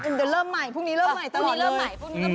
มันจะเริ่มใหม่พรุ่งนี้เริ่มใหม่ตลอดเลย